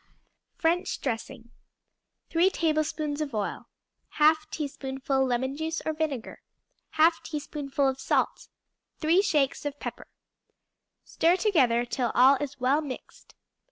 French Dressing 3 tablespoonfuls of oil. 1/2 teaspoonful lemon juice or vinegar. 1/2 teaspoonful of salt. 3 shakes of pepper. Stir together till all is well mixed.